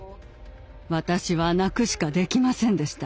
私は泣くしかできませんでした。